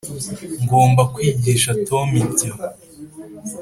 ngomba kwigisha tom ibyo